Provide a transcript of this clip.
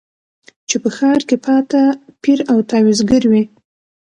چي په ښار کي پاته پیر او تعویذګروي